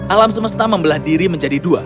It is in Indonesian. alam semesta membelah diri menjadi dua